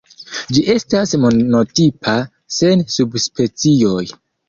Ĝi estas monotipa, sen subspecioj.